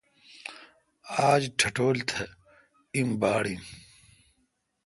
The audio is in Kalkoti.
آج ٹٹھول تہ ایم باڑ این۔